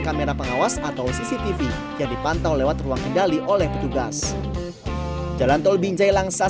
kamera pengawas atau cctv yang dipantau lewat ruang kendali oleh petugas jalan tol binjai langsa